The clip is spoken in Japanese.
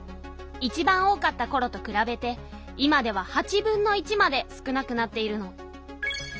いちばん多かったころとくらべて今では８分の１まで少なくなっているの。